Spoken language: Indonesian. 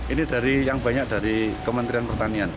ini dari yang banyak dari kementerian pertanian